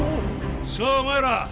さあお前ら！